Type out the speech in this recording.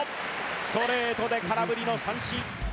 ストレートで空振りの三振。